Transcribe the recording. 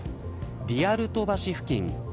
リアルト橋付近。